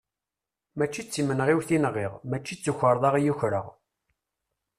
Mačči d timenɣiwt i nɣiɣ, mačči d tukarḍa i ukreɣ.